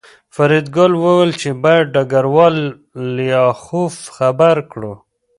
فریدګل وویل چې باید ډګروال لیاخوف خبر کړو